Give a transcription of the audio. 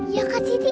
ya kak siti